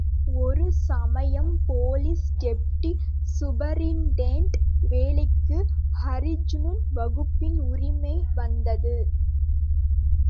ஒரு சமயம் police deputy superintendent வேலைக்கு ஹரிஜன் வகுப்பின் உரிமை வந்தது.